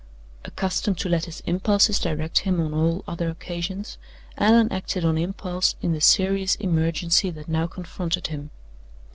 Accustomed to let his impulses direct him on all other occasions, Allan acted on impulse in the serious emergency that now confronted him.